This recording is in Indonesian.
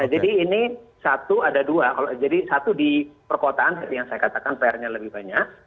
ini satu ada dua jadi satu di perkotaan yang saya katakan pr nya lebih banyak